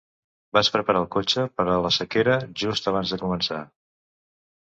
Vaig preparar el cotxe per a la sequera just abans de començar.